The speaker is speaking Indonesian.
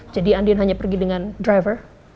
jadi andin hanya pergi dengan driver